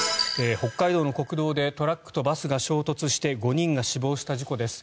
北海道の国道でトラックとバスが衝突して５人が死亡した事故です。